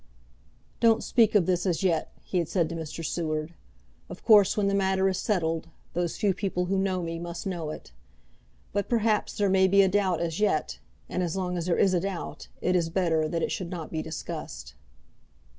"Don't speak of this as yet," he had said to Mr. Seward. "Of course when the matter is settled, those few people who know me must know it. But perhaps there may be a doubt as yet, and as long as there is a doubt, it is better that it should not be discussed."